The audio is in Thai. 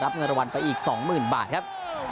เงินรางวัลไปอีก๒๐๐๐บาทครับ